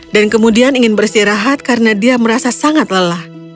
dan kemudian ingin bersihkan diri karena dia merasa sangat lelah